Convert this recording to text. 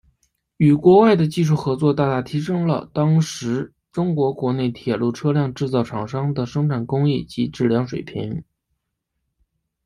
与国外的技术合作大大提升了当时中国国内铁路车辆制造厂商的生产工艺及质量水平。